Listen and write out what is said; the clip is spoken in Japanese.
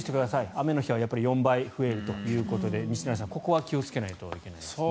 雨の日は４倍増えるということで西成さん、ここは気をつけないといけないですね。